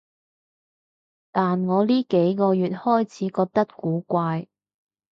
但我呢幾個月開始覺得古怪